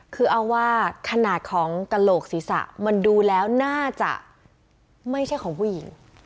คือเอาว่าขนาดของกระโหลกศีรษะมันดูแล้วน่าจะไม่ใช่ของผู้หญิง